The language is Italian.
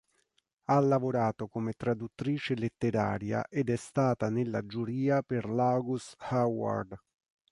Ha lavorato come traduttrice letteraria ed è stata nella giuria per l'August Award.